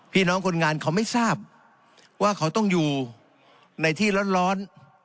พี่น้องคนงานเขาไม่ทราบว่าเขาต้องอยู่ในที่ร้อน